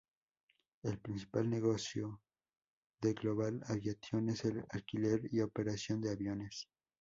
El principal negocio de Global Aviation es el alquiler y operación de aviones.